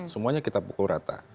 semuanya kita pukul rata